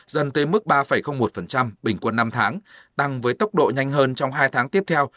dần tới mức ba một bình quân năm tháng tăng với tốc độ nhanh hơn trong hai tháng tiếp theo